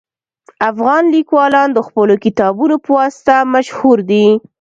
افغان لیکوالان د خپلو کتابونو په واسطه مشهور دي